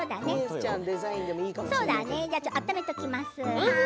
温めておきます。